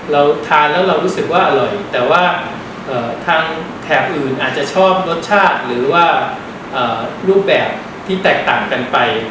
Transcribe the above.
เราทานแล้วเรารู้สึกว่าอร่อยแต่ว่าทางแถบอื่นอาจจะชอบรสชาติหรือว่ารูปแบบที่แตกต่างกันไป